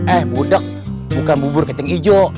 eh budak bukan bubur kacang ijo